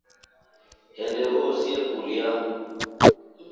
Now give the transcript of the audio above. Honde vose kulya.